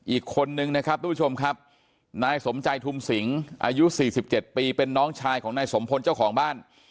อีกคนนึงนะครับทุกผู้ชมครับนายสมใจทุมสิงอายุ๔๗ปีเป็นน้องชายของนายสมพลเจ้าของบ้าน